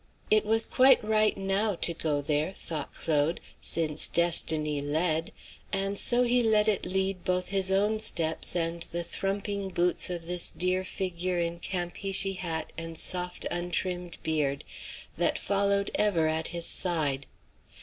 It was quite right, now, to go there, thought Claude, since destiny led; and so he let it lead both his own steps and the thrumping boots of this dear figure in Campeachy hat and soft untrimmed beard, that followed ever at his side.